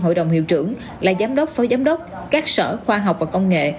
hội đồng hiệu trưởng là giám đốc phó giám đốc các sở khoa học và công nghệ